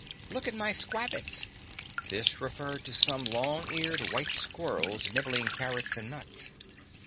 "Look at my squabbits." This referred to some long eared white squirrels nibbling carrots and nuts.